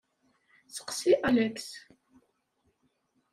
Seqsi Alex.